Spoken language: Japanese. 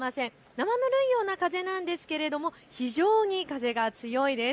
なまぬるいような風なんですが、非常に風が強いです。